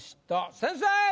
先生！